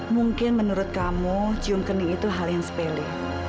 mungkin menurut kamu cium kening itu hal yang sepele